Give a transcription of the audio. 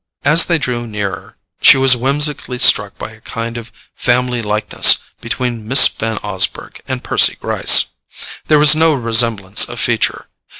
As they drew nearer she was whimsically struck by a kind of family likeness between Miss Van Osburgh and Percy Gryce. There was no resemblance of feature.